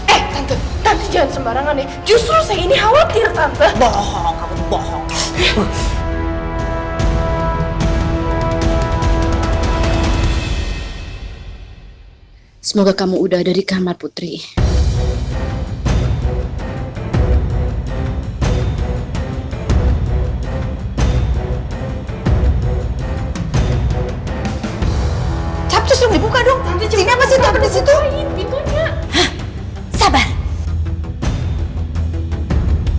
eh tante tante jangan sembarangan nih justru saya ini khawatir tante bohong bohong